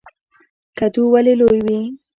کدو ولې لوی وي؟